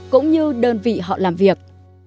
cũng như đơn vị họ làm việc